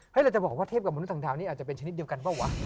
ให้เราจะบอกว่าเทพกับมนุษย์ทางดาวนี้อาจจะเป็นชนิดเดียวกันป่ะวะ